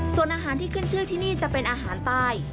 ส่วนอาหารที่ขึ้นชื่อที่นี่จะเป็นอาหารใต้